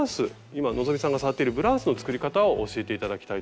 今希さんが触っているブラウスの作り方を教えて頂きたいと思ってます。